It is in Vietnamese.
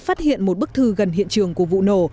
phát hiện một bức thư gần hiện trường của vụ nổ